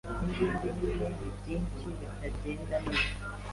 n’ibindi n’ibindi byinshi bitagenda neza